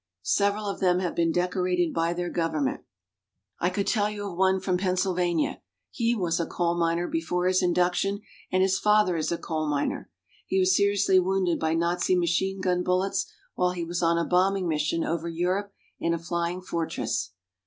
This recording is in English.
Several of them have been decorated by their government. I could tell you of one from Pennsylvania. He was a coal miner before his induction, and his father is a coal miner. He was seriously wounded by Nazi machine gun bullets while he was on a bombing mission over Europe in a Flying Fortress.